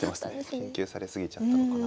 研究され過ぎちゃったのかな。